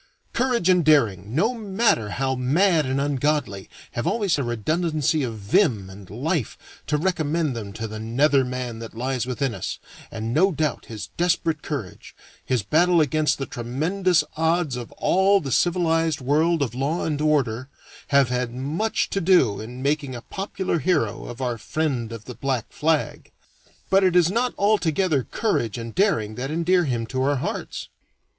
Courage and daring, no matter how mad and ungodly, have always a redundancy of vim and life to recommend them to the nether man that lies within us, and no doubt his desperate courage, his battle against the tremendous odds of all the civilized world of law and order, have had much to do in making a popular hero of our friend of the black flag. But it is not altogether courage and daring that endear him to our hearts.